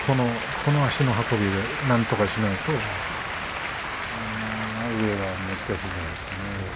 この足の運びをなんとかしないと難しいんじゃないですかね。